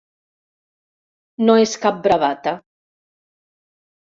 No és cap bravata.